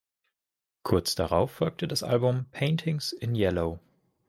Kurz darauf folgte das Album "Paintings in Yellow".